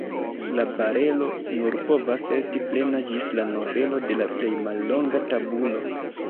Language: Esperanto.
La barelo nur povas esti plena ĝis la novelo de la plej mallonga tabulo.